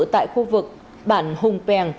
tại khu vực bản hùng pèng